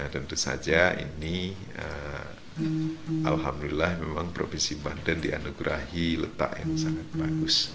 tentu saja ini alhamdulillah memang provinsi banten dianugerahi letak yang sangat bagus